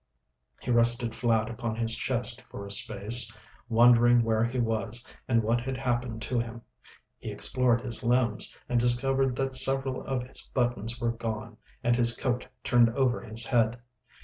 He rested flat upon his chest for a space, wondering where he was and what had happened to him. He explored his limbs, and discovered that several of his buttons were gone and his coat turned over his head.